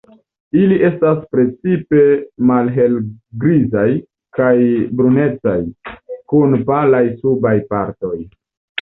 Ili estas precipe malhelgrizaj kaj brunecaj, kun palaj subaj partoj.